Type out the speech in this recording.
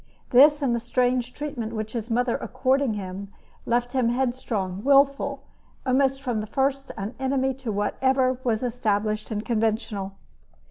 This and the strange treatment which his mother accorded him left him headstrong, wilful, almost from the first an enemy to whatever was established and conventional.